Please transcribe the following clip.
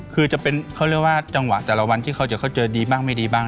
คือจะเป็นเขาเรียกว่าจังหวะแต่ละวันที่เขาจะเขาเจอดีบ้างไม่ดีบ้าง